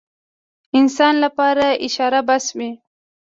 انسان لپاره اشاره بس وي.